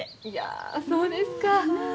いやそうですか。